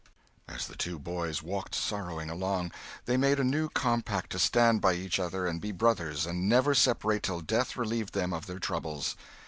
As the two boys walked sorrowing along, they made a new compact to stand by each other and be brothers and never separate till death relieved them of their troubles.